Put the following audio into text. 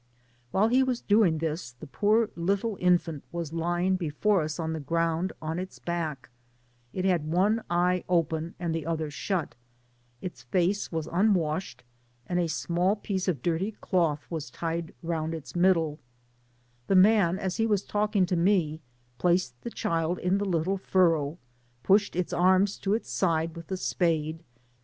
While he was doing this, the poor little infant was lying before us on the ground on its back ; it had one eye open, and the other shut ; its face was unwashed, and a small piece of dirty cloth was tied round its middle : the man, as he was talking to me, placed the cliild in the Uttle furrow^ pushe4 its arms to its sid^ with th^ spade, Digitized byGoogk 40 TOWN OF BUENOS AlHES.